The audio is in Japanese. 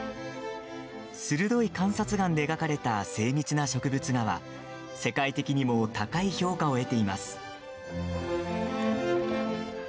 鋭い観察眼で描かれた精密な植物画は世界的にも高い評価を得ています。